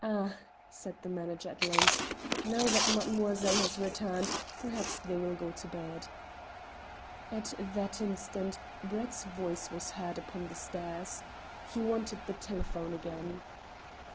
"Ah," said the manager at length, "now that mademoiselle has returned, perhaps they will go to bed." At that instant Brett's voice was heard upon the stairs. He wanted the telephone again.